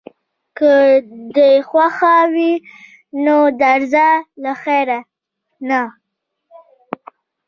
که دې خوښه وي نو درځه له خیره، نه.